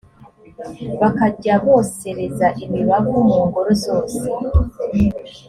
bakajya bosereza imibavu mu ngoro zose